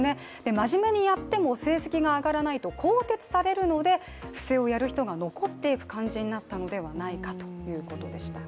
真面目にやっても、成績が上がらないと更迭されるので不正をやる人が残っていく感じになったのではないかということでした。